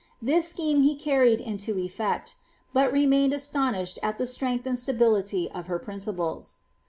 This scheme he ried into efiect, but remained astonished at the strength and stability hmr principles.'"